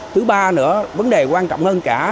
thứ ba nữa vấn đề quan trọng hơn cả